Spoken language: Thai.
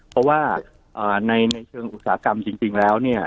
เพราะว่าในเชิงอุตสาหกรรมจริงแล้วเนี่ย